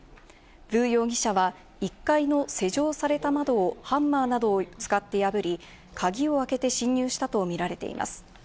ヴ容疑者は１階の施錠された窓をハンマーなどを使って破り、鍵を開けて侵入したとみられています。